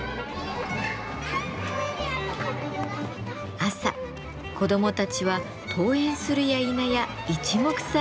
朝子どもたちは登園するやいなやいちもくさんに園庭へ。